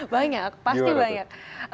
banyak pasti banyak